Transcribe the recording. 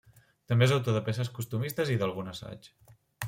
També és autor de peces costumistes i d'algun assaig.